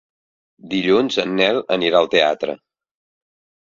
Dilluns en Nel anirà al teatre.